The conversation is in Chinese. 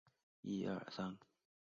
明洪武七年称先师庙。